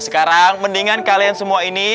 sekarang mendingan kalian semua ini